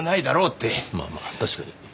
まあまあ確かに。